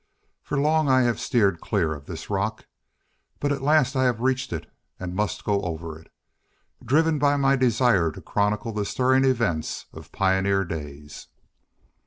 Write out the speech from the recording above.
For long I have steered clear of this rock. But at last I have reached it and must go over it, driven by my desire to chronicle the stirring events of pioneer days.